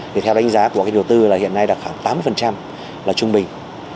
thì theo đánh giá của cái đầu tư là hiện nay là khoảng tám mươi là trung bình